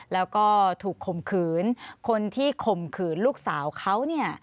แล้วก็ถูกข่มขืนคนที่ข่มขืนลูกสาวเขาเนี่ย